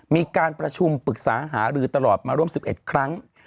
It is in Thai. มีการประชุมปรึกษาหารือตลอดมาร่วม๑๑ครั้ง